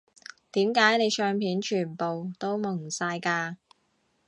點解你相片全部都矇晒㗎